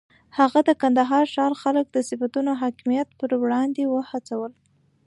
هغه د کندهار ښار خلک د صفویانو حاکمیت پر وړاندې وهڅول.